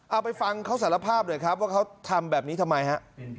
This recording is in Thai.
เอาไปฟังเขาสารภาพหน่อยครับว่าเขาทำแบบนี้ทำไมฮะ